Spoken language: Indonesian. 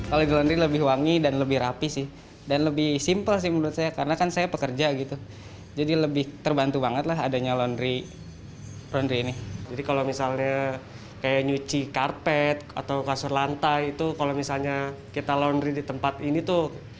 atau kasur lantai itu kalau misalnya kita laundry di tempat ini tuh benar benar kebantu banget gitu